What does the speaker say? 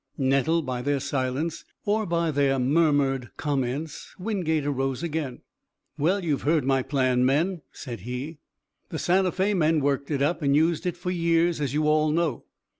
Nettled by their silence, or by their murmured comments, Wingate arose again. "Well, you have heard my plan, men," said he. "The Santa Fé men worked it up, and used it for years, as you all know.